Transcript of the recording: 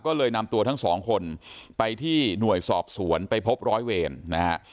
ก็เลยนำตัวทั้งสองคนไปที่หน่วยสอบสวนไปพบร้อยเวรนะฮะ